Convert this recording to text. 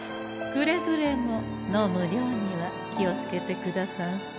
くれぐれも飲む量には気をつけてくださんせ。